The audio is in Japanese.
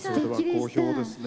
講評ですね。